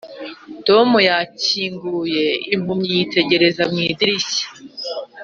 tom yakinguye impumyi yitegereza mu idirishya